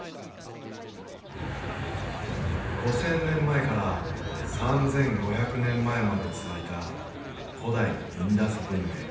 ５，０００年前から３，５００年前まで続いた古代インダス文明。